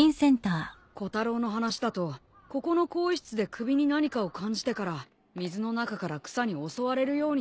コタロウの話だとここの更衣室で首に何かを感じてから水の中から草に襲われるようになったって。